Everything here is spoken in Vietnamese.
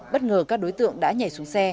bất ngờ các đối tượng đã nhảy xuống xe